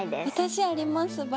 私あります。